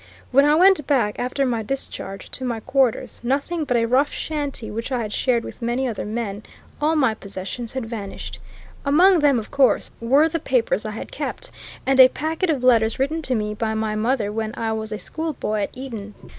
When I went back, after my discharge, to my quarters nothing but a rough shanty which I had shared with many other men all my possessions had vanished. Among them, of course, were the papers I had kept, and a packet of letters written to me by my mother when I was a schoolboy at Eton.